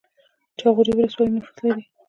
جاغوری ولسوالۍ نفوس لري؟